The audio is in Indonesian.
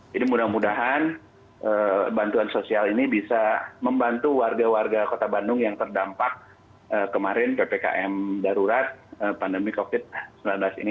jadi mudah mudahan bantuan sosial ini bisa membantu warga warga kota bandung yang terdampak kemarin ppkm darurat pandemi covid sembilan belas ini